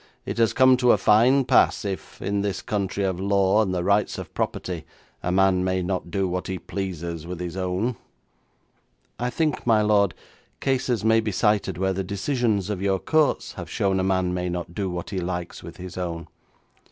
It has come to a fine pass if, in this country of law and the rights of property, a man may not do what he pleases with his own.' 'I think, my lord, cases may be cited where the decisions of your courts have shown a man may not do what he likes with his own.